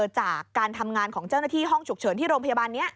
จากการทำงานของเจ้าหน้าที่ห้องฉุกเฉินที่โรงพยาบาลนี้